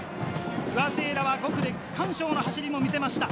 不破聖衣来が５区で区間賞の走りも見せました。